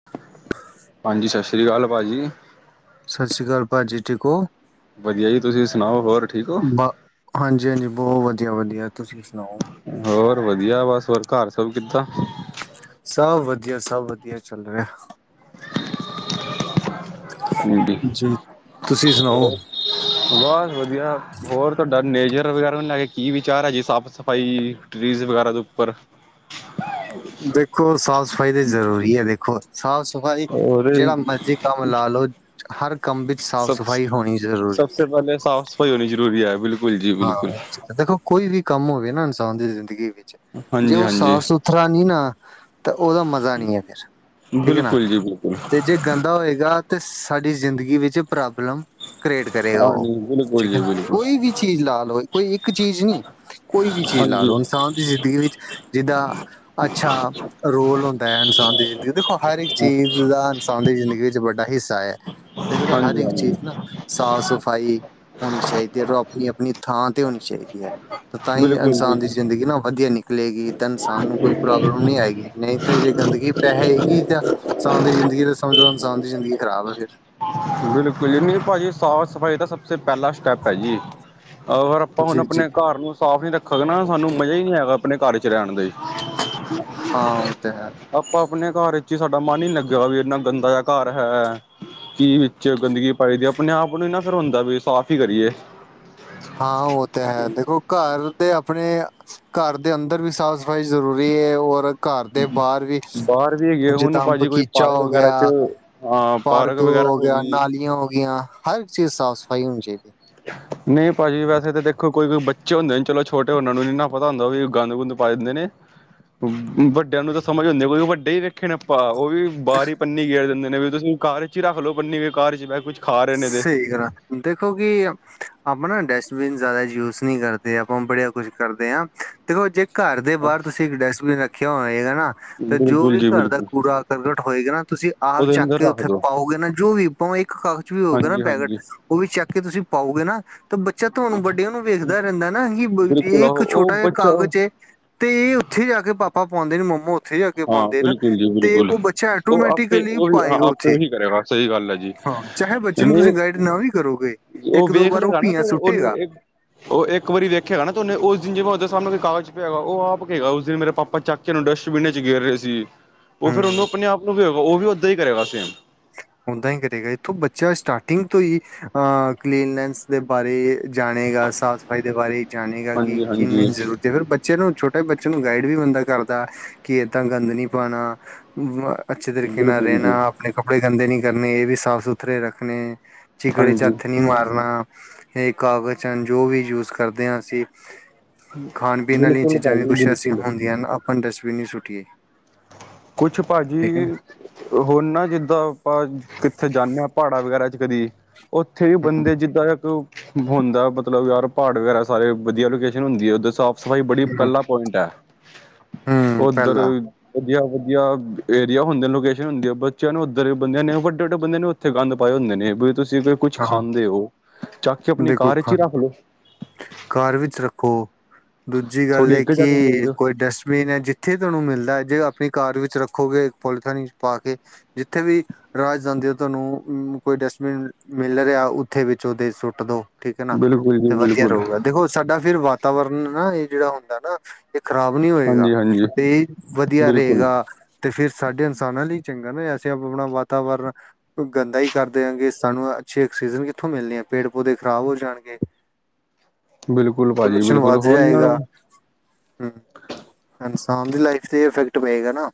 [unintelligible] ਹਾਂਜੀ, ਸਸ਼ ਰੀ ਕਾਲ ਭਾਅ ਜੀ। ਸਸ਼ ਰੀ ਕਾਲ ਭਾਜੀ, ਠੀਕ ਹੋ। ਵਧੀਆ ਜੀ, ਤੁਸੀਂ ਸੁਣਾਓ ਹੋਰ ਠੀਕ ਹੋ ਬ ਹਾਂਜੀ- ਹਾਂਜੀ ਬਹੁ ਵਧੀਆ- ਵਧੀਆ, ਤੁਸੀਂ ਸੁਣਾਓ ਹੋਰ ਵਧੀਆ ਬਸ, ਹੋਰ ਘਰ ਸਭ ਕਿੱਦਾਂ। ਸਭ ਵਧੀਆ, ਸਭ ਵਧੀਆ ਚੱਲ ਰਿਹਾ। ਹੋਰ, ਜੀ ਤੁਸੀਂ ਸੁਣਾਓ ਬਸ ਵਧੀਆ। ਹੋਰ ਤੁਹਾਡਾ ਨੇਚਰ ਵਗੈਰਾ ਨੂੰ ਲੈ ਕੇ ਕੀ ਵਿਚਾਰ ਹੈ ਜੀ, ਸਾਫ਼ ਸਫ਼ਾਈ, ਟਰੀਜ਼ ਵਗੈਰਾ ਦੇ ਉੱਪਰ। ਦੇਖੋ ਸਾਫ਼ ਸਫ਼ਾਈ ਤੇ ਜ਼ਰੂਰੀ ਐ, ਦੇਖੋ ਸਾਫ਼ ਸਫ਼ ਭਾਜੀ ਔਰ ਜਿਹੜਾ ਮਰਜ਼ੀ ਕੰਮ ਲਾ ਲਓ, ਹਰ ਕੰਮ ਵਿੱਚ ਸਾਫ਼ ਸਭ ਸਫ਼ਾਈ ਹੋਣੀ ਸਭ ਜ਼ਰੂਰੀ। ਹੈ ਪਹਿਲੇ ਸਾਫ਼ ਸਫ਼ਾਈ ਹੋਣੀ ਜ਼ਰੂਰੀ ਐ, ਬਿਲਕ ਹਾਂ, ਇਹ ਦੇਖੋ ਕੋਈ ਵੀ ਕੰਮ ਹੋਵੇ ਨਾ, ਇਨਸਾਨ ਦੀ ਜ਼ਿੰਦਗੀ ਵਿੱਚ ਜੇ ਹਾਂਜੀ ਉਹ ਹਾਂਜੀ ਸਾਫ ਸੁਥਰਾ ਨਹੀਂ ਨਾ, ਤਾਂ ਉਹਦਾ ਮਜ਼ਾ ਨਹੀਂ ਆ ਫੇਰ। ਬਿਲਕੁਲ ਜੀ ਬਿਲਕੁਲ। ਤੇ ਜੇ ਗੰਦਾ ਹੋਏਗਾ, ਤੇ ਸਾਡੀ ਜ਼ਿੰਦਗੀ ਵਿੱਚ ਪ੍ਰੋਬਲਮ ਕਰੇਟ ਕਰੇਗਾ ਉਹ, ਹਾਂਜੀ ਬਿਲਕੁਲ ਠੀਕ ਜੀ ਹੈ ਨਾ, ਬਿਲਕੁਲ ਕੋਈ ਵੀ ਚੀਜ਼ ਲਾ ਲਓ, ਕੋਈ ਇੱਕ ਚੀਜ਼ ਨੀ, ਕੋਈ ਵੀ ਚੀਜ਼ ਲਾ ਹਾਂਜੀ ਲਓ, ਇਨਸਾਨ ਦੀ ਜ਼ਿੰਦਗੀ ਵਿੱਚ ਜਿੱਦਾਂ ਅੱਛਾ ਰੋਲ ਹੁੰਦਾ ਇਨਸਾਨ ਦੀ ਜ਼ਿੰਦਗੀ, ਦੇਖੋ ਹਰ ਇੱਕ ਹਾਂਜੀ ਚੀਜ਼ ਦਾ ਇਨਸਾਨ ਦੀ ਜ਼ਿੰਦਗੀ ਵਿੱਚ ਵੱਡਾ ਹਿੱਸਾ ਐ, ਦੇਖ ਹਰ ਇੱਕ ਹਾਂਜੀ ਚੀਜ਼ ਨਾ ਸਾਫ਼ ਸਫ਼ਾਈ ਹੋਣੀ ਚਾਹੀਦੀ ਐ, ਔਰ ਆਪਣੀ -ਆਪਣੀ ਥਾਂ ਤੇ ਹੋਣੀ ਚਾਹੀਦੀ ਐ। ਤੇ ਤਾਂਹੀ ਬਿਲਕੁਲ ਇਨਸਾਨ ਜੀ ਦੀ ਜ਼ਿੰਦਗੀ ਨਾ ਵਧੀਆ ਨਿਕਲੇਗੀ, ਤਾਂ ਇਨਸਾਨ ਨੂੰ ਕੋਈ ਪ੍ਰੋਬਲਮ ਨਹੀ ਆਏਗੀ, ਨਹੀਂ ਤਾਂ ਜੇ ਗੰਦਗੀ ਪੇਹੇਗੀ ਤਾਂ- ਇਨਸਾਨ ਦੀ ਜ਼ਿੰਦਗੀ ਤੇ ਸਮਝੋ, ਇਨਸਾਨ ਦੀ ਜ਼ਿੰਦਗੀ ਖ਼ਰਾਬ ਐ ਫਿਰ। ਬਿਲਕੁਲ ਜੀ, ਨਹੀਂ ਭਾਜੀ ਸਾਫ਼ ਸਫ਼ਾਈ ਦਾ ਸਭ ਸੇ ਪਹਿਲਾ ਸਟੈਪ ਐ ਜੀ, ਅਗਰ ਤਾਂ ਹੁਣ ਆਪਣੇ ਘਰ ਨੂੰ ਸਾਫ਼ ਨੀ ਰੱਖੋਗੇ ਨਾ, ਸਾਨੂੰ ਮਜ਼ਾ ਹੀ ਨਹੀਂ ਆਏਗਾ, ਆਪਣੇ ਘਰ ਚ ਰਹਿਣ ਦੀ। ਹਾਂ ਉਹ ਤੇ ਹੈ। ਆਪਾਂ ਆਪਣੇ ਘਰ ਵਿੱਚ ਸਾਡਾ ਮਨ ਹੀ ਨਹੀਂ ਲੱਗਿਆ ਗਾ ਵੀ, ਇੰਨਾ ਗੰਦਾ ਜਿਹਾ ਘਰ ਹੈ, ਕੀ ਚ ਗੰਦਗੀ ਪਾਈਦੀ ਐ, ਆਪਣੇ ਆਪ ਨੂੰ ਨਾ ਫ਼ਿਰ ਹੁੰਦਾ ਵੀ ਸਾਫ਼ ਹੀ ਕਰੀਏ। ਹਾਂ ਉਹ ਤੇ ਹੈ, ਦੇਖੋ ਘਰ ਦੇ ਆਪਣੇ ਘਰ ਦੇ ਅੰਦਰ ਵੀ ਸਾਫ਼ ਸਫ਼ਾਈ ਜ਼ਰੂਰੀ ਏ, ਔਰ ਘਰ ਦੇ ਬਾਹਰ ਵੀ, ਬਾਹਰ ਵੀ ਹੈਗੇ ਹੁਣ ਜਿੱਦਾਂ ਭਾਜੀ ਕੋਈ ਬਗੀਚਾ ਪਾਰਕ ਹੋ ਵਗੈਰਾ 'ਚ ਗਿਆ। ਹਾਂ ਪਾਰਕ ਵਗੈਰਾ ਹੋ ਗਿਆ, ਗਈ। ਨਾਲੀਆਂ ਹੋ ਗੀਆਂ, ਹਰ ਚੀਜ਼ ਸਾਫ਼ ਸਫ਼ਾਈ ਹੋਣੀ ਚਾਹੀਦੀ ਐ। ਨਹੀਂ ਭਾਜੀ, ਵੈਸੇ ਤਾਂ ਦੇਖੋ। ਕੋਈ- ਕੋਈ ਬੱਚੇ ਹੁੰਦੇ ਨੇ ਚਲੋ ਛੋਟੇ, ਉਹਨਾਂ ਨੂੰ ਨੀ ਨਾ ਪਤਾ ਹੁੰਦਾ ਵੀ, ਗੰਦ-ਗੁੰਦ ਪਾ ਜਾਂਦੇ ਨੇ। ਵੱਡਿਆਂ ਨੂੰ ਤਾਂ ਸਮਝ ਹੁੰਦੀ ਐ, ਕਿ ਵੱਡੇ ਹੀ ਨੇ ਰਖੇ ਨੇ ਭਾਂ ਉਹ ਵੀ ਬਾਹਰ ਹੀ ਪੰਨੀ ਗੇਰ ਦਿੰਦੇ ਨੇ, ਵੀ ਤੁਸੀਂ ਘਰ ਚ ਹੀ ਰੱਖ ਲਓ ਪੰਨੀ ਗ ਘਰ ਚ ਵੀ ਕੁਛ ਸਹੀ ਕਰਾ, ਦੇਖੋ ਕਿ ਆਪਾਂ ਨਾ ਡਸਟਬਿਨ ਜ਼ਿਆਦਾ ਯੂਜ ਨਹੀਂ ਕਰਦੇ, ਆਪਾਂ ਬੜਿਆ ਕੁਛ ਕਰਦੇ ਹਾਂ। ਦੇਖੋ, ਜੇ ਘਰ ਦੇ ਬਾਹਰ ਤੁਸੀਂ ਇੱਕ ਡਸਟਬਿਨ ਰੱਖਿਆ ਹੋਏਗਾ ਨਾ। ਤੇ ਜੋ ਬਿਲਕੁਲ ਵੀ ਜੀ ਘਰ ਦਾ ਬਿਲਕੁਲ ਕੂੜਾ ਕਰਕਟ ਹੋਏਗਾ ਨਾ, ਤੁਸੀਂ ਆਪ ਉਹਦੇ ਚੱਕ ਅੰਦਰ ਕੇ ਰੱਖ ਉੱਥੇ ਦੋ ਪਾਓਗੇ ਨਾ, ਜੋ ਵੀ ਭਾਵੇਂ ਇੱਕ ਕਾਕ ਹੋਊਗਾ ਨਾ ਹਾਂਜੀ ਪੈਕਟ, ਹਾਂਜੀ ਉਹ ਵੀ ਚੱਕ ਕੇ ਤੁਸੀਂ ਪਾਓਗੇ ਨਾ ਤਾਂ ਬੱਚਾ ਤੁਹਾਨੂੰ ਵੱਡਿਆਂ ਨੂੰ ਵੇਖਦਾ ਰਹਿੰਦਾ ਨਾ, ਕਿ ਬਿਲਕੁਲ ਇਹ ਇੱਕ ਉਹ ਉਹ ਛੋਟਾ ਜਾ ਬੱਚਾ ਕਾਗਜ਼ ਏ ਤੇ ਇਹ ਉੱਥੇ ਜਾ ਕੇ ਪਾਪਾ ਪਾਉਂਦੇ ਨੇ, ਮੋਮੋ ਉੱਥੇ ਜਾ ਕੇ ਹਾਂ ਪਾਉਂਦੇ ਨਾ, ਬਿਲਕੁਲ ਜੀ ਤੇ ਬਿਲਕੁਲ ਉਹ ਬੱਚਾ ਉਹ ਆਪੇ ਐਟੋਮੈਟੀਕਲੀ ਉਹੀ ਹਾਂ ਪਾਏਗਾ ਆਪੇ ਉੱਥੇ, ਉਹੀ ਕਰੇਗਾ ਸਹੀ ਗੱਲ ਹੈ ਜੀ ਹਾਂ। ਚਾਹੇ ਬੱਚੇ ਨੂੰ ਨਹੀਂ ਤੁਸੀਂ ਗਾਈਡ ਨਾ ਵੀ ਕਰੋਗੇ, ਇੱਕ ਦੋ ਵੇਖ ਵਾਰ ਉਹ ਲਏਗਾ ਨਾ ਤੇ ਪੀਆਂ ਉਹਨੂੰ ਸੁੱਟੇਗਾ। ਇੱਕ ਉਹ ਇੱਕ ਵਾਰੀ ਵੇਖੇਗਾ ਨਾ, ਤੇ ਉਹਨੇ ਉਸ ਦਿਨ ਜਿਵੇੈਂ ਉਹਦੇ ਸਾਹਮਣੇ ਕੋਈ ਕਾਗਜ ਪਏ ਹੋਏਗਾ, ਉਹ ਆਪ ਕੇਗਾ, ਉਸ ਦਿਨ ਮੇਰੇ ਪਾਪਾ ਚੱਕ ਉਹਨੂੰ ਡਸਟਬਿਨ ਵਿੱਚ ਗੇਰ ਰਹੇ ਸੀ, ਉਹ ਫੇਰ ਉਹਨੂੰ ਹੂੰ, ਆਪਣੇ ਆਪ ਨੂੰ ਹੋਏਗਾ, ਉਹ ਵੀ ਓਦਾਂ ਹੀ ਕਰੇਗਾ ਸੇਮ। ਹਦਾ ਹੀ ਕਰੇਗਾ, ਇੱਥੋਂ ਬੱਚਾ ਸਟਾਰਟਿੰਗ ਤੋਂ ਹੀ, ਅ ਕਲੀਨੈਸ ਦੇ ਬਾਰੇ ਜਾਣੇਗਾ ਸਾਫ਼ ਸਫ਼ਾਈ ਦੇ ਬਾਰੇ ਜਾਣੇਗਾ, ਕਿ ਹਾਂਜੀ ਕਿੰਨੇ ਹਾਂਜੀ ਜ਼ਰੂਰਤ ਹੈ। ਫਿਰ ਬੱਚੇ ਚਲੋ ਨ ਛੋਟੇ ਬੱਚੇ ਨੂੰ ਗਾਈਡ ਵੀ ਬੰਦਾ ਕਰਦਾ। ਕਿ ਏਦਾਂ ਗੰਦ ਨੀ ਪਾਉਣਾ। ਅੱਛੇ ਤਰੀਕੇ ਨਾਲ ਬਿਲਕੁਲ ਜੀ ਰਹਿਣਾ, ਆਪਣੇ ਕੱਪੜੇ ਗੰਦੇ ਨੀ ਕਰਨੇ, ਇਹ ਵੀ ਸਾਫ਼ ਸੁਥਰੇ ਰੱਖਣੇ। ਚਿਗੜੇ ਚ' ਹਾਂਜੀ ਹੱਥ ਨ ਮਾਰਨਾ, ਇਹ ਕਾਗਜ਼ ਚ' ਜੋ ਵੀ ਯੂਜ ਕਰਦੇ ਹਾਂ। ਅਸੀਂ ਖਾਣ -ਪੀਣ ਵਾਲੀਆਂ, ਬਿਲਕੁਲ ਚੀਜ਼ਾਂ ਵੀ ਭਾਜੀ ਕੁਛ ਐਸੀਆਂ ਬਿਲਕੁਲ ਹੁੰਦੀਆਂ ਹਨ। ਆਪਾਂ ਡਸਟਬਿਨ ਨਹੀਂ ਸੁੱਟੀਏ। ਕੁਛ ਠੀਕ ਹੈ ਨਾ ਭਾਜੀ ਹੋਣ ਨਾ ਜਿੱਦਾਂ, ਆਪਾਂ ਕਿੱਥੇ ਜਾਂਦੇ ਹਾਂ ਪਹਾੜਾਂ ਵਗੈਰਾ ਚ' ਕਦੀ ਉੱਥੇ ਵੀ ਹੂੰ, ਬੰਦੇ ਜਿੱਦਾਂ, ਪਰੁ ਹੁੰਦਾ ਮਤਲਬ ਯਾਰ ਪਹਾੜ ਵਗੈਰਾ, ਸਾਰੇ ਵਧੀਆ ਲੋਕੇਸ਼ਨ ਹੁੰਦੀ ਹੈ। ਉੱਧਰ ਸਾਫ਼ ਸਫ਼ਾਈ ਬੜੀ ਹੂੰ, ਪਹਿਲਾਂ ਪੁਇੰਟ ਹੈ। ਹੂੰ ਉਓਧਰ ਪਹਿਲਾ ਵਧੀਆ ਵਧੀ, ਏਆ ਹੁੰਦੇ ਲੋਕੇਸ਼ਨ ਹੁੰਦੀ ਆ ਬੱਚਿਆਂ ਨੂੰ ਉੱਧਰ ਬੰਦਿਆਂ ਨੇ ਵੱਡੇ- ਵੱਡੇ ਬੰਦੇਿਆਂ ਨੇ ਉੱਥੇ ਗੰਦ ਪਾਏ ਹੁੰਦੇ ਨੇ ਵੀ, ਤੁਸੀਂ ਕੋ ਕੁਛ ਹਾਂ ਖਾਂਦੇ ਹੋ, ਚੱਕ ਕੇ ਆਪਣੀ ਕਾਰ ਵਿਚ ਹੀ ਰੱਖ ਲੋਓ। ਘਰ ਵਿੱਚ ਰੱਖੋ, ਦੂਜੀ ਗੱਲ ਥੋੜ੍ਹੀ ਅੱਗੇ ਜਾ ਕੇ ਕਿ, ਦੇ ਕੋਈ ਡਸਟਬੀਨ ਹੈ ਜਿੱ ਇੱਥੇ ਤੁਹਾਨੂੰ ਮਿਲਦਾ ਹੈ, ਜੇ ਆਪਣੀ ਕਾਰ ਵਿੱਚ ਰੱਖੋਗੇ, ਪੋਲੀਥੋਨੀ ਪਾ ਕੇ ਜਿੱਥੇ ਵੀ ਰਾਹ ਜਾਦੇ, ਤੁਹਾਨੂੰ ਕੋਈ ਡਸਟਬਿਨ ਮਿਲ ਰਿਹਾ, ਉੱਥੇ ਵਿੱਚ ਉਹ ਦੇ ਸੁੱਟ ਦੋ। ਠੀਕ ਹੈ ਨਾ। ਬਿਲਕੁਲ ਜੀ ਤੇ ਵਧੀਆ ਬਿਲਕੁਲ ਰਹੇਗਾ। ਦੇਖੋ, ਸਾਡਾ ਫਿਰ ਵਾਤਾਵਰਨ ਨਾ ਇਹ ਜਿਹੜਾ ਹੁੰਦਾ ਨਾ ਇਹ ਖ਼ਰਾਬ ਨੀ ਹੋਏਗਾ, ਹਾਂਜੀ ਹਾਂਜੀ ਤੇ ਇਹ ਵਧੀਆ ਬਿਲਕੁਲ ਰਹੇਗਾ। ਤੇ, ਫੇਰ ਸਾਡੇ ਇਨਸਾਨਾਂ ਲਈ ਚੰਗਾ ਨਾ, ਅਸੀੇ ਆਪਣਾ ਵਾਤਾਵਰਨ ਗੰਦਾ ਹੀ ਕਰ ਦਿਆਂਗੇ, ਸਾਨੂੰ ਅੱਛੇ ਆਕਸੀਜਨ ਕਿੱਥੋਂ ਮਿਲਣੇ ਆ, ਪੇੜ- ਪੌਦੇ ਖ਼ਰਾਬ ਹੋ ਜਾਣਗੇ। ਬਿਲਕੁਲ, ਭਾਜੀ, ਪੋਲਿਊਸ਼ਨ ਬਿਲਕੁਲ ਵੱਧ ਹੁਣ ਜਾਏਗਾ। ਇਨਸਾਨ ਦੀ ਲਾਈਫ ਤੇ ਇਫੈਕਟ ਪਏਗਾ ਨਾ।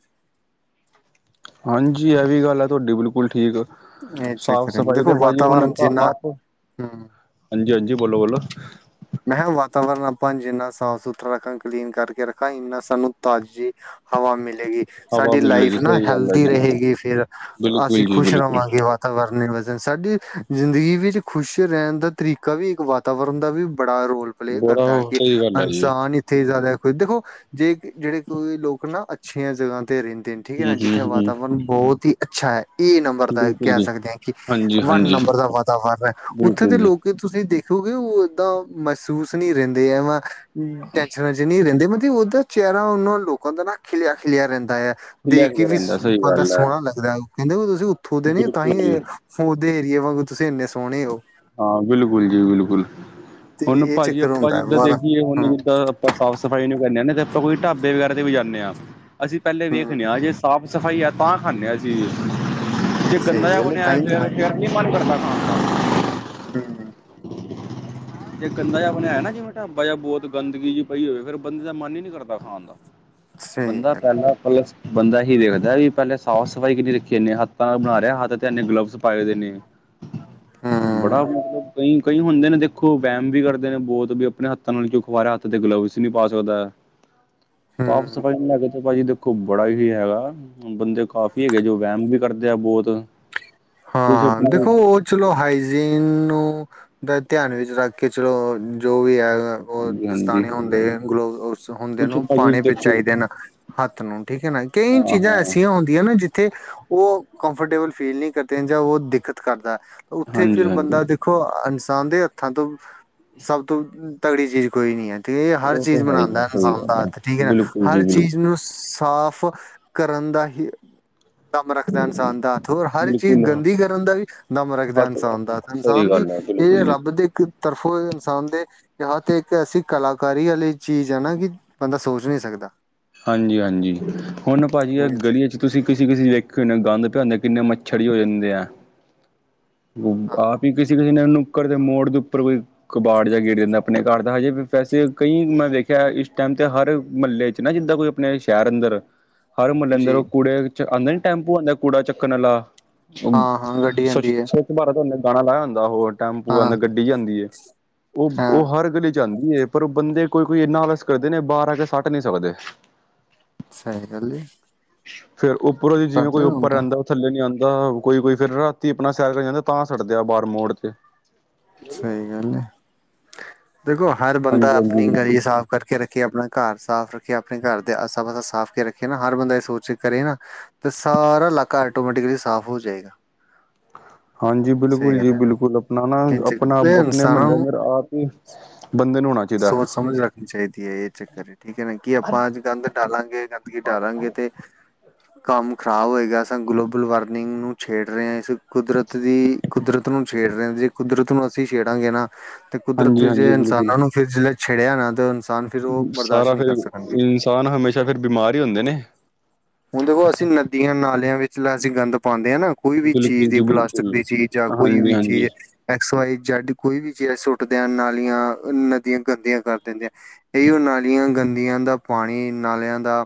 ਹਾਂਜੀ। ਇਹ ਵੀ ਗੱਲ ਆ ਤੁਹਾਡੀ ਬਿਲਕੁਲ ਠੀਕ ਇਹ ਸਾਫ਼- ਚੱਕਰ ਐ ਸਫ਼ਾਈ ਤੇ ਦੇਖੋ ਭਾਜੀ ਹੁਣ ਵਾਤਾਵਰਨ ਆਪਾਂ- ਜਿੰਨਾ ਆਪ ਹੂੰ ਹਾਂਜੀ- ਹਾਂਜੀ। ਬੋਲੋ- ਬੋਲੋ ਮੈਂ ਕਿਹਾ ਵਾਤਾਵਰਨ ਆਪਾਂ ਜਿੰਨਾ ਸਾਫ- ਸੁਥਰਾ ਰੱਖਾਂ ਕਲੀਨ ਕਰਕੇ ਰੱਖਾਂ ਇੰਨਾ ਸਾਨੂੰ ਤਾਜ਼ੀ ਹਵਾ ਮਿਲੇਗੀ। ਹਵਾ ਸਾਡੀ ਲਾਈਫ ਮਿਲੇਗੀ ਨਾ ਸਹੀ ਗੱਲ ਹੈ ਹੈਲਦੀ ਜੀ ਰਹੇਗੀ। ਫਿਰ ਅਸੀਂ ਬਿਲਕੁਲ ਜੀ ਖੁਸ਼ ਬਿਲਕੁਲ ਰਵਾਂਗੇ। ਵਰਨੇ ਵਨ ਸਾਡੀ ਜ਼ਿੰਦਗੀ ਵਿੱਚ ਖੁਸ਼ ਰਹਿਣ ਦਾ ਤਰੀਕਾ ਵੀ ਇੱਕ ਵੱਧ ਤਵਰਨ ਦਾ ਵੀ ਬੜਾ ਰੋਲ ਪਲੇਅ ਬੜਾ ਕਰਦਾ ਹੈ। ਕਿ ਸਹੀ ਗੱਲ ਹੈ ਜੀ ਇਨਸਾਨ ਉੱਥੇ, ਜ਼ਿਆਦਾ ਦੇਖੋ ਜੇ ਜਿਹੜੇ ਕੋਈ ਲੋਕ- ਲੋਕ ਨਾ ਅੱਛੀਆਂ ਜਗ੍ਹਾ ਤੇ ਰਹਿੰਦੇ ਨੇ। ਠੀਕ ਹੈ ਨਾ ਹਮ ਜਿੱਥੇ ਹਮ ਹਮ ਵਾਤਾਵਰਨ ਬਹੁਤ ਹੀ ਅੱਛਾ ਹੈ। ਏ ਨੰਬਰ ਦਾ ਬਿਲਕੁਲ ਕਹਿ ਜੀ ਸਕਦੇ ਹਾਂ ਕਿ, ਹਾਂਜੀ ਵੰਨ ਹਾਂਜੀ ਨੰਬਰ ਦਾ ਵਾਤਾਵਰਨ ਹੈ, ਉੱਥੇ ਦੇ ਬਿਲਕੁਲ ਜੀ ਲੋਕ ਤੁਸੀਂ ਦੇਖ ਕਿਉਂਕਿ ਉਹ ਏਦਾਂ ਮਹਿਸੂਸ ਨਹੀਂ ਰਹਿੰਦੇ। ਐ ਵ ਟੈਸ਼ਨਾਂ ਨਹੀਂ ਰਹਿੰਦੇ, ਮਤਲਬ ਉਹਦਾ ਚਿਹਰਾ ਉਹਨਾ ਲੋਕਾਂ ਦਾ ਨਾ ਖਿਲਿਆ -ਖਿਲਿਆ ਰਹਿੰਦਾ ਹੈ। ਖਿਲਿਆ ਦੇਖ ਕੇ ਖਿਲਿਆ ਵੀ ਰਹਿੰਦਾ ਸਹੀ ਬੰਦਾ ਗੱਲ ਹੈ ਸੋਹਣਾ ਲੱਗਦਾ। ਕਹਿੰਦੇ ਵੀ ਤੁਸੀਂ ਉੱਥੋਂ ਦੇ ਨ ਤਾਂ ਬਿਲਕੁਲ ਜੀ ਹੀ ਉਹਦੇ ਏਰੀਏ ਵਾਂਗੂ, ਤੁਸੀਂ ਇੰਨੇ ਸੋਹਣੇ ਹੋ। ਹਾਂ, ਬਿਲਕੁਲ, ਜੀ, ਬਿਲਕੁਲ ਤੇ ਹੁਣ ਇਹ ਭਾਜੀ ਚੱਕਰ ਆਪਾਂ ਹੁੰਦਾ ਹੈ ਜਿੱਦਾਂ ਵਾਦਾ ਦੇਖੀਏ ਹੁਣ ਹੂੰ ਜਿੱਦਾਂ ਆਪਾਂ ਸਾਫ਼- ਸਫ਼ਾਈ ਨੂੰ ਕਰਦੇ ਹਦੇ ਤੇ ਆਪਾਂ ਕੋਈ ਢਾਬੇ ਵਗੈਰਾ ਤੇ ਵੀ ਜਾਂਦੇ ਹਾਂ, ਅਸੀਂ ਪਹਿਲੇ ਹੂੰ ਵੇਖਦੇ ਹਾਂ। ਜਜੇ ਸਾਫ -ਸਫਾਈ ਆ ਤਾਂ ਖਾਂਨੇ ਆਸੀ, ਹੂੰ, ਜੇ ਗੰਦਾ ਸਹੀ ਜਾ ਗੱਲ ਹੈ ਨਈ ਤਾਂ ਹੀ ਤਾਂ ਫੇਰ, ਹੈ ਹੀ ਫੇਰ ਨੀ ਮਨ ਕਰਦਾ ਖਾਣਦਾ। ਹੂੰ। ਜੇ ਗੰਦਾ ਜੇਆ ਬਨੇਆ ਹੋਆ ਨਾ ਜਿਵੇਂ ਢਾਬਾ ਜੇਆ ਬੋਤ ਗੰਦਗੀ ਜੀ ਪਈ ਹੋਵੇ। ਫ਼ਿਰ ਬੰਦੇ ਦਾ ਮਨ ਈ ਨੀ ਕਰਦਾ ਖਾਨ ਦਾ। ਅ ਸਹੀ ਬੰਦਾ ਗੱਲ ਹੈ ਪਾਲਾ ਮਤਲਬ ਬੰਦਾ ਏਹੀ ਦੇਖਦਾ ਵੀ, ਪੈਲੇ ਸਾਫ-ਸਫਾਈ ਕਿੰਨੀ ਰੱਖੀ ਏਨੇ ਹੱਥਾਂ ਨਾਲ਼ ਬਣਾ ਰੇਆ। ਹੱਥ ਤੇ ਏਨੇ ਗਲਵਸ ਪਦੇਨੇ। ਏ ਬੜਾ ਹੂੰ ਮਤਲਬ ਕਈਂ- ਕਈ ਹੁੰਦੇ ਨੇ ਦੇਖੋ ਕੋਈ ਵੈਮ ਵੀ ਕਰਦੇ ਨੇ ਬੋਤ, ਵੀ ਅਪਨੇ ਹੱਥਾਂ ਨਾਲ ਕੇਓ ਖਵਾ ਰੇਆ ਹੱਥ ਤੇ ਗਲਵਸ ਵੀ ਨੀ ਪਾ ਸਕਦੈ। ਹੂੰ ਸਾਫ-ਸਫਾਈ ਨੂੰ ਲੈ ਕੇ ਤੇ ਭਾਜੀ ਦੇਖ ਕੋਈ ਬੜਾ ਈ ਹੈਗਾ। ਬੰਦੇ ਕਾਫੀ ਹੈਗੇ ਜੋ ਵੈਮ ਵੀ ਕਰਦੇ ਆ ਬੋਤ। ਹਾਂ,। ਦੇਖੋ ਓ ਚਲੋ ਹਾਈਜੀ਼ਨ ਨੂੰ, ਗਲ ਧੇਆਨ ਵਿੱਚ ਰੱਖ ਕੇ ਚਲੋ, ਜੋ ਵੀ ਆਏਗਾ ਓ ਹਾਂਜੀ ਹਾਂਜੀ ਦਸਤਾਨੇ ਹੁੰਦੇ ਨ ਗਲਵ ਸ, ਹੁੰਦੇ ਨੇ ਕੁਛ ਓ ਭਾਜੀ ਪਾਣੇ ਵੀ ਦੇਖੋ ਚਾਈਦੇ ਨ। ਹੱਥ ਨੂੰ ਠੀਕ ਐ ਨਾ, ਕਈਂ ਹਾਂ ਚੀਜਾ ਹਾਂ ਐਸੀਆਂ ਹੋਂਦੀਆਂ ਨੇ ਜਿੱਥੇ ਓ ਕੰਫਟੇਬਲ ਫੀਲ ਨਈ ਕਰ ਤੇ ਜਾਂ ਓ ਦਿੱਕਤ ਕਰਦੈ, ਓਥੇ ਹਾਂਜੀ ਫਿਰ ਹਾਂਜੀ ਬੰਦਾ ਦੇਖੋ ਅ ਇਨਸਾਨ ਦੇ ਹੱਥਾਂ ਤੋਂ ਸਬ ਤੋਂ, ਤਗੜੀ ਚੀਜ ਕੋਈ ਨੀ ਐ। ਤੇ, ਹਰ ਉਹ ਚੀਜ਼ ਤਾਂ ਹੀ ਬਨਾਉਂਦਾ ਹੈ, ਸਹੀ ਇਨਸਾਨ ਗੱਲ ਦਾ ਹੱਥ, ਠੀਕ ਹੈ ਨਾ ਬਿਲਕੁਲ ਹਰ ਜੀ ਬਿਲਕੁਲ ਚੀਜ਼ ਨੂੰ ਸਾਫ ਕਰਨ ਦਾ ਹੀ ਦਮ ਰੱਖਦਾ, ਇਨਸਾਨ ਦਾ ਹੱਥ ਹਰ, ਇੱਕ। ਬਿਲਕੁਲ ਗੰਦੀ ਕਰਨ ਦਾ ਵੀ, ਦਮ ਰੱਕਦਾ ਹੱਥ ਅਨਸਾਨ ਦਾ ਹਰ, ਸਹੀ ਅਨਸਾਨ ਦੀ ਗੱਲ ਹੈ ਏ ਬਿਲਕੁਲ ਜੀ ਰੱਬ ਅ ਦ, [unintelligible] ਇੱਕ ਤਰਫੋਂ ਏ ਇਨਸਾਨ ਦੇ ਕੀ ਹੱਥ ਇੱਕ ਐਸੀ, ਕਲਾਕਾਰੀ ਵਾਲੀ ਚੀਜ਼ ਆ ਨਾ ਕਿ, ਬੰਦਾ ਸੋਚ ਨਈ ਸਕਦਾ। ਹਾਂਜੀ, ਹਾਂਜੀ ਹੁਨ ਭਾਜੀ ਅ ਗਲੀਏ ਚ ਤੁਸੀਂ ਕਿਸੇ, ਕਿਸੇ ਵੇਖ ਹੋਨਾ ਗੰਦ ਪੇਹਂਦੈ ਕਿੰਨੇ ਮੱਛੜ ਜੇ ਹੋ ਜਾਂਦੇ ਆ। ਹਾਂ ਆ ਹੀ ਕਿਸੇ, ਦਿਨ ਕਿਸੇ ਨੁੱਕੜ ਦੇ ਮੋੜ ਦੇ ਉੱਪਰ ਕੋਈ ਕਬਾੜ ਜੇਆ ਗੇਰ ਦੇਂਦਾ ਆਪਨੇ ਘਾਰ ਦਾ, ਹਜੇ ਵੈਸੇ ਕਈਂ ਮੈਂ ਵੇਖੇਆ, ਏ ਇਸ ਟੈਮ ਤੇ ਹਰ ਮਹਲੇ ਚ ਚ ਨਾ ਜਿੱਦਾਂ ਕੋਈ ਆਪਨੇ ਸ਼ਹਿਰ ਅੰਦਰ, ਹਰ ਮਹੱਲੇ ਅੰਦਰ ਓ ਜੀ ਕੁੂੜੇ ਚ ਆਂਦਾ ਨੀ ਟੈਂਪੂ ਆਂਦਾ, ਕੂੜਾ ਚੱਕਨ ਵਾਲਾ ਹਾਂ ਹਾਂ ਗੱਡੀ ਆਂਦੀ ਹੈ [unintelligible] ਗਾਨਾ ਲਾਏਆ ਹੂੰਦਾ ਹੋਰ ਟੈਂਪੂ ਹਾਂ ਆਂਦਾ, ਗੱਡੀ ਜੀ ਆਂਦੀ ਏ, ਓ ਹਾਂ ਹਰ ਗਲੀ ਚ ਜਾਂਦੀ ਏ ਪਰ ਓ ਬੰਦੇ ਕੋਈ- ਕੋਈ, ਏਨਾ ਆਲਸ ਕਰਦੇ ਨੇ ਬਾਰ ਆ ਕੇ, ਸੱਟ ਨਈ ਸਾਕਦੇ। ਸਹੀ ਗੱਲ ਹੈ ਫੇਰ ਓ ਪੂਰੋ ਦੀ, ਜਿਵੇਂ ਕੋਈ ਕਰਦੇ ਨੇ ਹੁਣ ਉੱਪਰ ਤਾਂ ਰੈਂਦਾ। ਥੱਲੇ ਨੀ ਆਂਦਾ। ਕੋਈ- ਕੋਈ ਫੇਰ ਰਾਤੀ ਅਪਨਾ ਸੈਰ ਕਰਨ ਜਾਂਦੇ ਆ, ਤਾਂ ਸੱਟਦੇ ਆ ਬਾਰ ਮੋੜ ਤੇ। ਸਈ ਗੱਲ ਏ, ਦੇਖੋ ਹਰ ਬੰਦਾ ਹਾਂਜੀ ਹਾਂਜੀ ਆਪਣੀ ਬਿਲਕੁਲ ਗਲੀ਼ ਸਾਫ ਕਰਕੇ ਰੱਖੇ, ਅਪਣਾ ਘਾਰ ਸਾਫ ਰੱਖੇ, ਆਪਣੇ ਘਰ ਦੇ ਆਸਾ-ਪਾਸਾ ਸਾਫ ਕੇ ਰੱਖੇ ਨਾ, ਹਰ ਬੰਦਾ ਏ ਸੋਚ ਕਰੇ ਨਾ ਤੇ ਸਾਰਾ, ਲਾਕਾ ਆਟੋਮੈਟਿਕਲੀ ਸਾਫ ਹੋ ਜਾਏਗਾ। ਹਾਂਜੀ, ਸਹੀ ਬਿਲਕੁਲ ਜੀ ਗੱਲ ਹੈ ਨਾ ਬਿਲਕੁਲ। ਅਪਨਾ ਨਾ ਇਹ ਚੱਕਰ ਅਪਨਾ ਇਹ ਅਪਨੇ ਇਨਸਾਨਾਂ ਮਹੱਲੇ ਨੂੰ ਫੇਰ ਆਪ ਈ ਸੋਚ ਸਮਜ ਰੱਖਨੀ ਚਾਈਦੀ ਏ। ਏ ਚੱਕਰ ਏ ਠੀਕ ਏ ਨਾ, ਕਿ ਆਪਾਂ ਅੱਜ ਗੰਦ ਡਾਲਾਂਗੇ ਗੰ ਡਾਲਾਂਗੇ ਤੇ ਕੰਮ ਖ਼ਰਾਬ ਹੋਏਗਾ। ਅਸਾਂ ਗਲੋਬਲ ਵਾਰਮਿੰਗ ਨੂੰ ਛੇੜ ਰਏ ਆਂ, ਏਸ ਕੁਦਰਤ ਦੀ ਕੁਦਰਤ ਨੂੰ ਛੇੜ ਰਏ ਆਂ। ਕੁਦਰਤ ਨੂੰ ਅਸੀਂ ਸੇ਼ੜਾਂਗੇ ਨਾ, ਤੇ ਕੁਦਰਤ ਹਾਂਜੀ ਹਾਂਜੀ ਜੇ ਬਿਲਕੁਲ ਇਨਸਾਨਾਂ ਨੂੰ ਫੇਰ ਜੇ ਛੇੜੇਆ ਨਾ ਤੋ ਇਨਸਾਨ ਫੇਰ ਓ, ਬਰਦਾਸ਼ ਨੀ ਕਰ ਸਕਣਗੇ। ਤਾਂ ਨ ਹਮੇਸ਼ਾ ਫੇਰ, ਬਿਮਾਰ ਈ ਹੂੰਦੇ ਨੇ। ਹੁਨ ਦੇਖੋ, ਅਸੀਂ ਨਦੀਆਂ- ਨਾਲੇਆਂ ਵਿੱਚਲਾ ਅਸੀਂ ਗੰਦ ਪਾਂਦੇ ਆ, ਨਾ ਕੋਈ ਵੀ ਚੀਜ ਬਿਲਕੁਲ ਦੀ, ਜੀ ਪਲਾਸਟਿਕ ਬਿਲਕੁਲ ਦੀ ਚੀਜ ਜਾ ਕੋਈ ਹਾਂਜੀ ਵੀ ਹਾਂਜੀ ਚੀਜ ਐਕਸ, ਵਾਈ ਜੇੱਡ, ਕੋਈ ਵੀ ਚੀਜਾ ਸੁੱਟਦੇ ਆ। ਨਾਲੀ਼ਆਂ, ਨਦੀਆਂ ਗੰਦੀਆਂ ਕਰ ਦਿੰਦੇ ਆਂ। ਏ ਓ ਨਾਲੀ਼ਆਂ ਗੰਦੀਆਂ ਦਾ ਪਾਣੀ, ਨਾਲੇ਼ਆਂ ਦਾ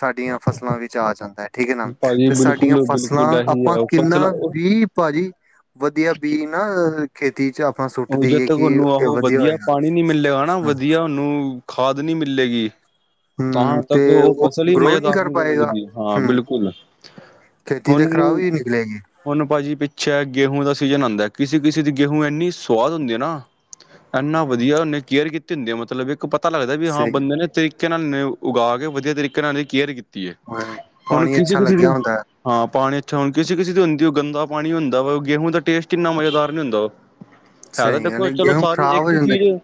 ਸਾਡੀਆਂ ਫਸਲਾਂ ਫਸਲਾਂ ਵਿੱਚ ਆ ਜਾਂਦਾ ਏ। ਠੀਕ ਐ ਨਾ, ਭਾਜੀ ਤੇ ਸਾਡੀਆਂ ਬਿਲਕੁਲ ਫਸਲਾਂ ਬਿਲਕੁਲ ਇਹੀ ਆਪਾਂ ਹੈ ਕਿੰਨਾ ਫਸਲਾਂ ਉਹ ਵੀ ਭਾਜੀ ਵਦੀਆ ਬੀ ਨਾ ਖੇਤੀ ਚ ਆਪ ਓਵੀ ਜਦੋਂ ਤੱਕ ਓਨੂੰ ਆਹੋ, ਵਦੀਆ ਪਾਣੀ ਨੀ ਮਿਲੇਗਾ ਨਾ, ਹਾਂ। ਵਦੀਆ ਓਹਨੂੰ ਖਾਦ ਨੀ ਮਿਲੇਗੀ। ਹੂੰ, ਤਾਂ ਤੇ ਤੱਕ ਉਹ ਫਸਲ ਹੀ ਗਰੋ ਨਹੀਂ ਮਜ਼ੇਦਾਰ ਕਰ ਪਾਏਗਾ। ਬਣਦੀ ਹਾਂ ਹੂੰ, ਬਿਲਕੁਲ ਖੇਤੀ ਤੇ ਹੁਣ ਖਰਾਬ ਹੀ ਨਿਕਲੇਗੀ। ਹੁਣ, ਭਾਜੀ ਪਿੱਛੇ ਗੇਹੂੰ ਦਾ ਸੀਜਨ ਆਉਂਦਾ। ਕਿਸੇ- ਕਿਸੇ ਦੀ ਗੇਹੂੰ ਇੰਨੀ ਸਵਾਦ ਹੁੰਦੀ ਹੈ, ਨਾ। ਇੰਨਾ ਹਮ ਵਧੀਆ ਉਹਨੇ ਕੇਅਰ ਕੀਤੇ ਹੁੰਦੀ। ਮਤਲੱਬ ਇੱਕ ਪਤਾ ਲੱਗਦਾ ਹੈ ਕਿ, ਵੀ ਹਾਂ ਸਹੀ ਬੰਦੇ ਨੇ ਤੇਰੀ ਕੇ, ਨਾਲ ਉਗਾ ਕੇ ਵਧੀਆ, ਤਰੀਕੇ ਨਾਲ ਇਹਦੀ ਕੇਅਰ ਕੀਤੀ ਹੈ। ਗੱਲ ਹਾਂ, ਹੁਣ ਪਾਣੀ ਕਿਸੇ- ਅੱਛਾ ਕਿਸੇ ਦੀ ਲੱਗਿਆ ਹੁੰਦਾ ਹੈ ਹਾਂ ਪਾਣੀ ਅੱਛਾ। ਹੁਣ ਕਿਸੇ- ਕਿਸੇ ਦੀ ਹੁੰਦੀ ਉਹ ਗੰਦਾ ਪਾਣੀ ਹੁੰਦਾ ਵਾ। ਗੇਹੂੰ ਦਾ ਟੇਸਟ ਇਨਾ ਮਜ਼ੇਦਾਰ ਨਹੀਂ ਹੁੰਦਾ ਵਾ। ਹੈ ਤਾਂ ਸਹੀ ਗੱਲ ਦੇਖੋ ਚਲੋ ਗੇਹੂੰ ਸਾਰੀ, ਖ਼ਰਾਬ ਇੱਕ ਹੋ ਹੀ ਜਾਂਦਾ ਚੀਜ਼।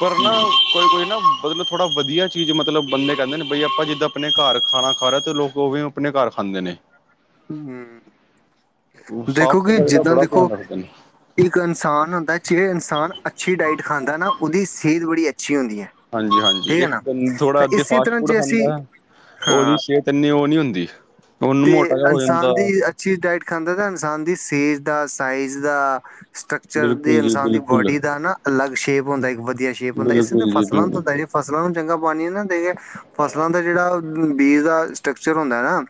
ਪਰ ਨਾਂ, ਹਮ ਕੋਈ- ਕੋਈ ਨਾ ਮਤਲੱਬ ਥੋੜਾ ਵਧੀਆ ਚੀਜ਼, ਮਤਲੱਬ ਬੰਦੇ ਕਹਿੰਦੇ ਨੇ, ਬਈ ਆਪਾਂ ਜਿੱਦਾਂ ਆਪਣੇ ਘਰ ਖਾਣਾ। ਭਾਰਤ ਦੇ ਲੋਕ, ਉਹ ਵੀ ਆਪਣੇ ਘਰ ਖਾਂਦੇ ਨੇ। ਹੂੰ, ਸਾਫ਼ ਦੇਖੋਂਗੇ ਸਫ਼ਾਈ ਦਾ ਜਿੱਦਾਂ ਬੜਾ ਦੇਖੋ, ਧਿਆਨ ਰੱਖਦੇ ਨੇ ਇੱਕ ਇਨਸਾਨ ਹੁੰਦਾ ਜੇ, ਇਨਸਾਨ ਅੱਛੀ ਡਾਈਟ ਖਾਂਦਾ ਨਾ, ਉਹਦੀ ਸਿਹਤ ਬੜੀ ਅੱਛੀ ਹੁੰਦੀ ਹੈ। ਹਾਂਜੀ- ਹਾਂਜੀ ਠੀਕ ਹੈ ਇੱਕ ਨਾ ਥੋੜਾ ਤਾਂ ਅੱਧੇ, ਇਸੇ ਫਾਸਟ ਤਰ੍ਹਾਂ ਫੂਡ ਜੇ ਅਸੀਂ ਖਾਂਦਾ ਹੈ। ਉਹਦੀ ਹਾਂ ਸਿਹਤ ਇੰਨੀ ਉਹ ਨੀ ਹੁੰਦੀ ਉਹਨੂੰ ਤੇ ਮੋਟਾ ਜਿਹਾ ਹੋ ਜਾਂਦਾ ਇਨਸਾਨ ਦੀ ਅੱਛੀ ਡਾਇਟ ਖਾਂਦਾ ਤਾਂ ਇਨਸਾਨ ਦੀ ਸੇਜ ਦਾ ਸਾਈਜ਼ ਦਾ ਸਟਰਕਚਰ ਦੀ ਬਿਲਕੁਲ ਜੀ ਇਨਸਾਨ ਦੀ ਬਿਲਕੁਲ ਬੋਡੀ ਦਾ ਨਾ ਅਲੱਗ ਸ਼ੇਪ ਹੁੰਦਾ ਇੱਕ ਵਧੀਆ ਸ਼ੇਪ ਹੁੰਦਾ ਇਸ ਬਿਲਕੁਲ ਜੀ ਫਸਲਾਂ ਬਿਲਕੁਲ ਤੋਂ ਫਸਲਾਂ ਨੂੰ ਚੰਗਾ ਪਾਣੀ ਨਾ ਦੇਈਏ ਫਸਲਾਂ ਦਾ ਜਿਹੜਾ ਬੀਜ ਦਾ ਸਟਕਚਰ ਹੁੰਦਾ ਨਾ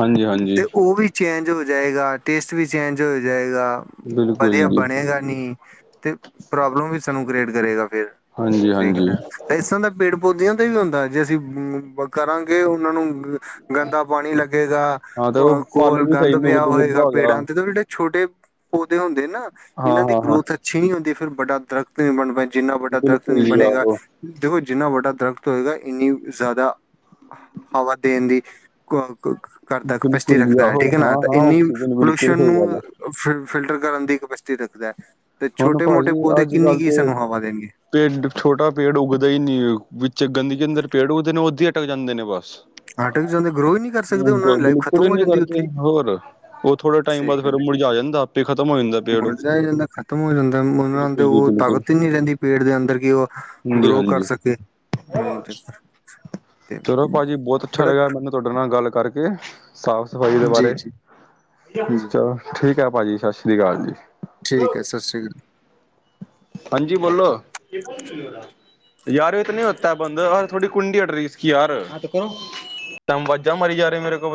ਹਾਂਜੀ, ਹਾਂਜੀ। ਤੇ ਓ ਵੀ ਚੇਂਜ ਹੋ ਜਾਏਗਾ, ਟੇਸਟ ਵੀ ਚੇਂਜ ਹੋ ਜਾਏਗਾ। ਬਿਲਕੁਲ ਵਧੀਆ ਜੀ ਬਣੇਗਾ ਨੀ ਤੇ ਪ੍ਰੋਬਲਮ ਵੀ ਸਾਨੂੰ ਗਰੇਟ ਕਰੇਗਾ ਫਿਰ ਹਾਂਜੀ ਸਹੀ ਗੱਲ ਹਾਂਜੀ ਹੈ। ਵੇਸਣ ਤਾਂ ਪੇੜ ਪੌਦਿਆਂ ਤੇ ਵੀ ਹੁੰਦਾ ਜੇ ਅਸੀਂ ਕਰਾਂਗੇ ਉਹਨਾਂ ਨੂੰ ਗੰਦਾ ਪਾਣੀ ਲੱਗੇਗਾ ਹਾਂ ਤੇ ਉਹ ਅਹ ਫਲ ਕੋਲ ਵੀ ਸਹੀ ਗੰਦ ਪਿਆ ਨੁਕਦਾ ਜਿੱਦਾਂ ਹੋਏਗਾ ਹੋ ਗਿਆ ਪੇੜਾਂ ਦੇ ਠੀਕ ਹੈ ਬੇਟਾ ਛੋਟੇ ਪੌਦੇ ਹੁੰਦੇ ਨਾ ਹਾਂ ਇਹਨਾਂ ਦੀ ਹਾਂ ਹਾਂ ਗਰੋਥ ਅੱਛੀ ਨੀ ਹੁੰਦੀ ਫਿਰ ਬਡਾ ਦਰਖ਼ਤ ਨਹੀਂ ਬਣਦਾ ਜਿੰਨਾ ਵੱਡਾ ਦਰਖ਼ਤ ਨਹੀਂ ਬਿਲਕੁਲ ਜੀ ਬਣੇਗਾ ਆਹੋ ਦੇਖੋ ਜਿੰਨਾ ਵੱਡਾ ਦਰਖ਼ਤ ਹੋਏਗਾ ਇੰਨੀ ਜ਼ਿਆਦਾ ਹਵਾ ਦੇਣ ਦੀ [unintelligible] ਕਪੈਸਿਟੀ ਰੱਖਦਾ ਹੈ ਆਹੋ ਠੀਕ ਹੈ ਨਾ ਹਾਂ ਹਾਂ ਇੰਨੀ ਆਕਸੀਜਨ ਬਿਲਕੁਲ ਪੋਲਿਊਸ਼ਨ ਸਹੀ ਗੱਲ ਨੂੰ ਆ ਫਿਲਟਰ ਕਰਨ ਦੀ ਕਪੈਸਿਟੀ ਰੱਖਦਾ ਹੈ ਤੇ ਹੁਣ ਛੋਟੇ ਮੋਟੇ ਭਾਜੀ ਪੌਦੇ ਅੱਜ ਕਿੰਨੀ ਕੱਲ ਕੀ ਤੇ ਸਾਨੂੰ ਹਵਾ ਦੇਣਗੇ ਪੇੜ ਛੋਟਾ ਪੇੜ ਉੱਗਦਾ ਹੀ ਨੀ ਵਿੱਚ ਗੰਦਗੀ ਅੰਦਰ ਪੇੜ ਉੱਗਦੇ ਨੇ ਉਥੇ ਹੀ ਅਟਕ ਜਾਂਦੇ ਨੇ ਬਸ ਆਰਟੀਫਿਸ਼ਲ ਦੇ ਗਰੋ ਹੀ ਨਹੀਂ ਕਰ ਸਕਦੇ ਉਹਨਾਂ ਦੀ ਲਾਈਫ ਬਿਲਕੁਲ ਖਤਮ ਹੀ ਹੋ ਨਹੀਂ ਜਾਂਦੀ ਉੱਥੇ ਵਰਤੇ ਹੀ। ਹੋਰ ਉਹ ਥੋੜੇ ਟਾਈਮ ਸਹੀ ਬਾਦ ਗੱਲ ਫਿਰ ਮੁਰਝਾ ਜਾਂਦਾ ਆਪੇ ਖਤਮ ਹੋ ਜਾਂਦਾ ਪੇੜ ਹੋ [unintelligible] ਖ਼ਤਮ ਹੋ ਜਾਂਦਾ ਉਹਨਾਂ ਤੇ ਉਹ ਬਿਲਕੁਲ ਤਾਕਤ ਹੀ ਨਹੀਂ ਰਹਿੰਦੀ ਪੇਟ ਦੇ ਅੰਦਰ ਕਿ ਉਹ ਹਾਂਜੀ ਗਰੋ ਕਰ ਹਾਂਜੀ ਸਕੇ ਨਹੀਂ ਤੇ ਤੇ ਚਲੋ ਭਾਜੀ ਬਹੁਤ ਅੱਛਾ ਬੜਾ ਲਗਾ ਮੈਨੂੰ ਤੁਹਾਡੇ ਨਾਲ ਗੱਲ ਕਰਕੇ ਸਾਫ਼ ਸਫ਼ਾਈ ਦੇ ਜੀ ਬਾਰੇ ਜੀ ਜੀ ਚਲੋ ਠੀਕ ਹੈ ਭਾਜੀ ਸਤਿ ਸ਼੍ਰੀ ਅਕਾਲ ਜੀ ਠੀਕ ਹੈ ਸਤਿ ਸ਼੍ਰੀ ਹਾਂਜੀ ਬੋਲੋ ਯਾਰ ਇਹ ਤਾਂ ਨਹੀਂ ਹੋਤਾ ਹੈ ਬੰਦ ਯਾਰ ਥੋੜੀ ਕੁੰਡੀ ਅੜ ਰਹੀ ਇਸ ਕੀ ਯਾਰ ਹਾਂ ਤੇ ਕਰੋ ਵਾਜ਼ਾਂ ਮਾਰੀ ਜਾ ਰਹੇ ਮੇਰੇ ਕੋਲ